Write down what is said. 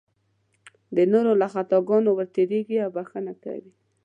د نورو له خطاګانو ورتېرېږي او بښنه کوي.